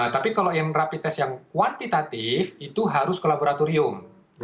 tapi kalau yang rapid test yang kuantitatif itu harus ke laboratorium